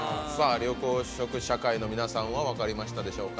緑黄色社会の皆さんは分かりましたでしょうか。